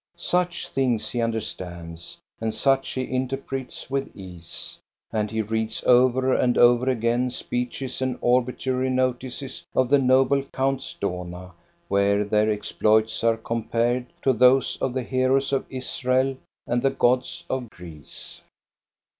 Such things he under stands, and such he interprets with ease. And he reads over and over again speeches and obituary notices of the noble counts Dohna, where their ex ploits are compared to those of the heroes of Israel and the gods of Greece.